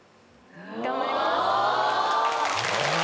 頑張ります。